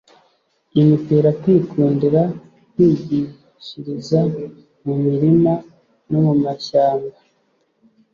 imutera kwikundira kwigishiriza mu mirima no mu mashyamba: